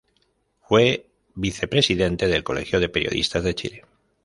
Fue vicepresidente del Colegio de Periodistas de Chile.